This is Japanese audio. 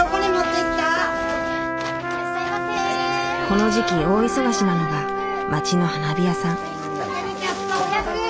この時期大忙しなのが町の花火屋さん。